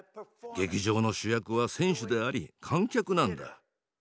劇場の主役は選手であり観客なんだ。